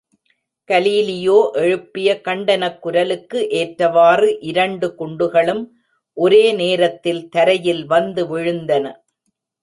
Galileo எழுப்பிய கண்டனக் குரலுக்கு ஏற்றவாறு இரண்டு குண்டுகளும் ஒரே நேரத்தில் தரையில் வந்து விழுந்தன!